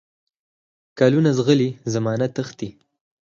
کلونه زغلي، زمانه تښتي